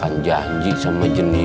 apa sih ini